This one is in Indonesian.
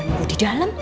jangan nunggu di dalam